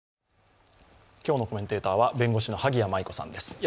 今日のコメンテーターは弁護士の萩谷麻衣子さんです。